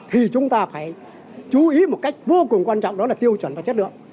thì chúng ta phải chú ý một cách vô cùng quan trọng đó là tiêu chuẩn và chất lượng